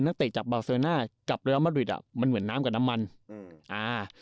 นักเตะจากด้วยละมรดิอ่ะมันเหมือนน้ำกับน้ำมันอืมอ่า